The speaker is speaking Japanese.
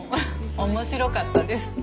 面白かったです。